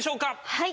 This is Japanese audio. はい。